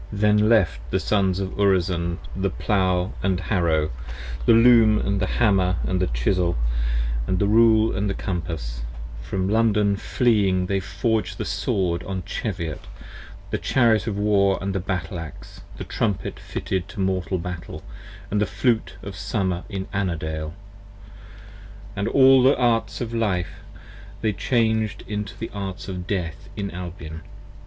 j/Then left the Sons of Urizen the plow & harrow, the loom, The hammer & the chisel, & the rule & compasses; from London fleeing They forg'd the sword on Cheviot, the chariot of war & the battle ax, 15 The trumpet fitted to mortal battle, & the flute of summer in Annandale: And all the Arts of Life, they chang'd into the Arts of Death in Albion.